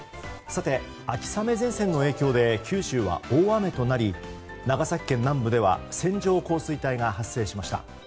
秋雨前線の影響で九州は大雨となり長崎県南部では線状降水帯が発生しました。